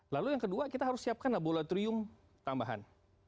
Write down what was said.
lalu yang kedua kita harus siapkan laboratorium tambahan